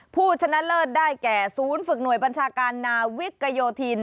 ผู้ชนะเลิศได้แก่ศูนย์ฝึกหน่วยบัญชาการนาวิกโยธิน